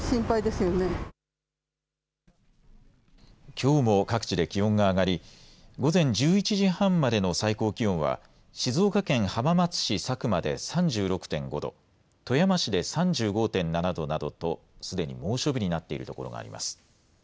きょうも各地で気温が上がり、午前１１時半までの最高気温は静岡県浜松市佐久間で３６．５度、富山市で３５．７度などとすでに猛暑日になっているところがあります。